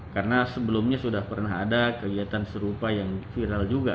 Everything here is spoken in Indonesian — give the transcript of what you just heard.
karena sebelumnya sudah pernah ada kegiatan serupa yang viral juga